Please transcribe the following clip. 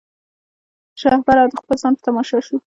د شهپر او د خپل ځان په تماشا سو